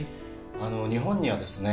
日本にはですね